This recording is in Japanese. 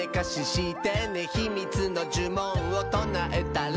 「ひみつのじゅもんをとなえたら」